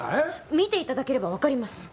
見ていただければわかります。